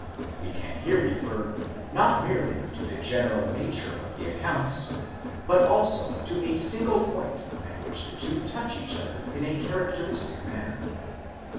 we can here refer, not merely to the general nature of the accounts, but also to a single point at which the two touch each other in a characteristic manner.